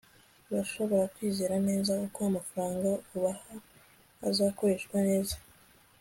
urashobora kwizera neza ko amafaranga ubaha azakoreshwa neza